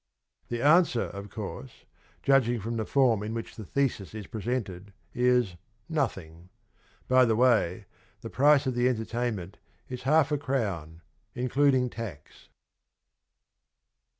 The answer, of course (judging from the form in which the thesis is presented) is ' Nothing.' By the way, the price of the entertainment is half a crown, including tax.